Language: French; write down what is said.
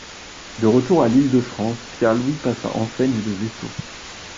De retour à l’ile de France, Pierre Louis passa enseigne de vaisseau.